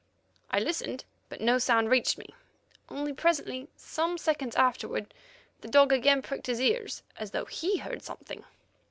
"I listened, but no sound reached me, only presently, some seconds afterwards, the dog again pricked his ears as though he heard something.